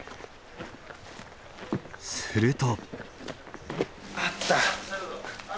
すると。